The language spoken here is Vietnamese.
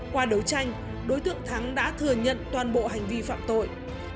qua đấu tranh đối tượng thắng đã thừa nhận toàn bộ hành vi phạm tội